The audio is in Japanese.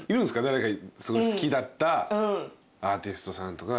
誰かすごい好きだったアーティストさんとか。